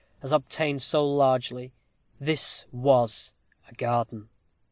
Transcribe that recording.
has obtained so largely this was a garden!